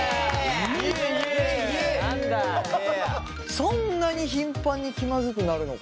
そんなに頻繁に気まずくなるのか？